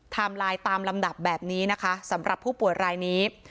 ไลน์ตามลำดับแบบนี้นะคะสำหรับผู้ป่วยรายนี้